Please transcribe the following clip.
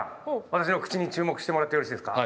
私の口に注目してもらってよろしいですか？